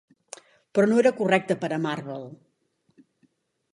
Però no era correcte per a Marvel.